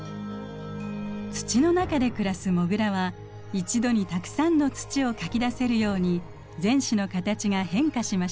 土の中で暮らすモグラは一度にたくさんの土をかき出せるように前肢の形が変化しました。